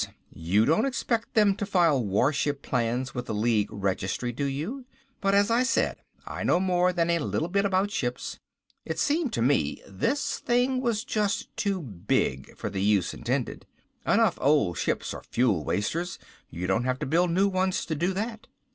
You don't expect them to file warship plans with the League Registry, do you? But, as I said, I know more than a little bit about ships. It seemed to me this thing was just too big for the use intended. Enough old ships are fuel wasters, you don't have to build new ones to do that.